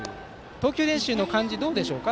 投球練習の感じはどうでしょうか？